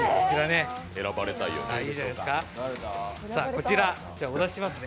こちら、お出ししますね。